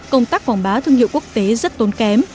công tác quảng bá thương hiệu quốc tế rất tốn kém